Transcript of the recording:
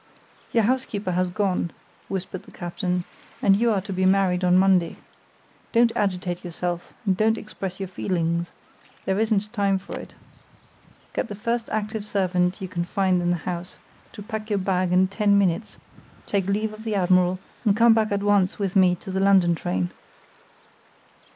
"Your housekeeper has gone," whispered the captain, "and you are to be married on Monday. Don't agitate yourself, and don't express your feelings—there isn't time for it. Get the first active servant you can find in the house to pack your bag in ten minutes, take leave of the admiral, and come back at once with me to the London train."